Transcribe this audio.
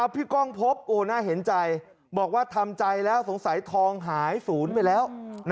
กล้องพบโอ้น่าเห็นใจบอกว่าทำใจแล้วสงสัยทองหายศูนย์ไปแล้ว